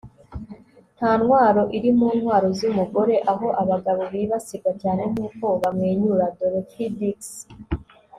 nta ntwaro iri mu ntwaro z'umugore aho abagabo bibasirwa cyane nk'uko bamwenyura. - dorothy dix